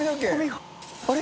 あれ？